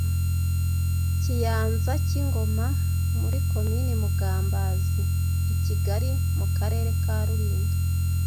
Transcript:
Kiyanza cy’ingoma muri Komini Mugambazi i Kigali (mu Karere ka Rulindo)